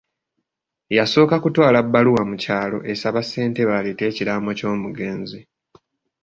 Yasooka kutwala bbaluwa mu kyalo esaba Ssentebe aleete ekiraamo ky'omugenzi.